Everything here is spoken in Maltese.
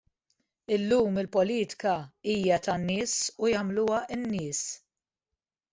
Illum il-politika hija tan-nies u jagħmluha n-nies.